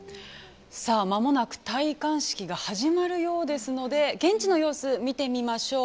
まもなく戴冠式が始まるようですので現地の様子、見てみましょう。